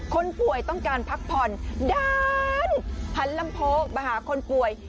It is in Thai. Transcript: คนป่วยต้องการพักผ่อนด้านหันลำโพกมาหาคนป่วย